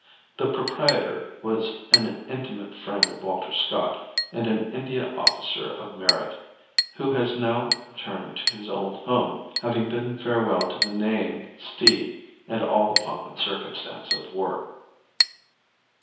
The proprietor was an intimate friend of Walter Scott, and an India officer of merit, who has now returned to his old home, having bidden farewell to the neighing steed and all the pomp and circumstance of war.